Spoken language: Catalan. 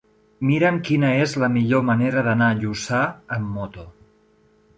Mira'm quina és la millor manera d'anar a Lluçà amb moto.